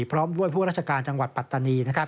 พร้อมด้วยผู้ราชการจังหวัดปัตตานี